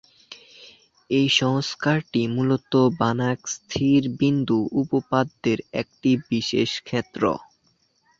এই সংস্করণটি মূলত বানাক স্থির বিন্দু উপপাদ্যের একটি বিশেষ ক্ষেত্র।